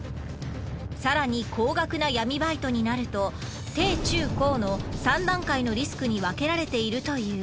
更に高額な闇バイトになると低中高の３段階のリスクに分けられているという。